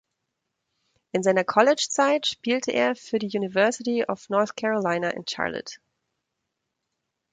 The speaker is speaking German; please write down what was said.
In seiner College Zeit spielte er für die University of North Carolina in Charlotte.